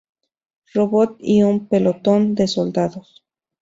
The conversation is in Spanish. Robot y un pelotón de soldados.